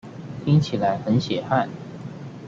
聽起來很血汗